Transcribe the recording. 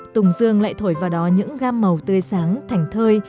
tùng dương lại thổi vào đó những gam màu tươi sáng thảnh thơi